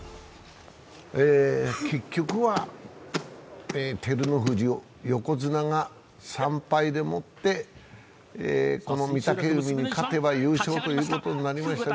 結局は横綱・照ノ富士が３敗でこの御嶽海に勝てば優勝ということになりました。